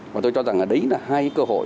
và tôi cho rằng là đấy là hai cơ hội